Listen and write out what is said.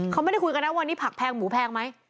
เขาไม่ได้คุยกันนะวันนี้ผักแพงหมูแพงไหม